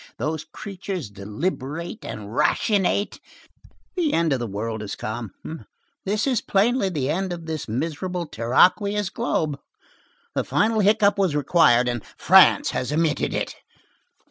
Those creatures deliberate and ratiocinate! The end of the world is come! This is plainly the end of this miserable terraqueous globe! A final hiccough was required, and France has emitted it.